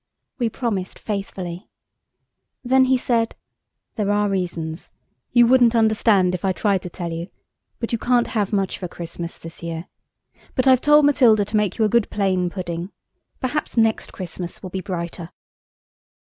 We promised faithfully. Then he said– "There are reasons–you wouldn't understand if I tried to tell you–but you can't have much of a Christmas this year. But I've told Matilda to make you a good plain pudding. Perhaps next Christmas will be brighter."